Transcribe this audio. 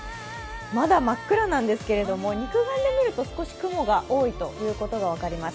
まだ真っ暗なんですけれども、肉眼で見ると、少し雲が多いということが分かります。